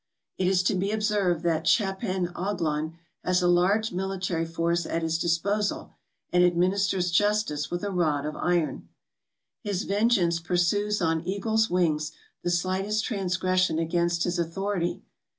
It is to be observed that Chappan Oglon has a large military force at his disposal, and administers justice with a rod of iron. His vengeance pursues on eagle's wings the slightest transgression against his authority.